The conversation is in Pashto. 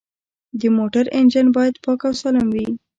د موټر انجن باید پاک او سالم وي.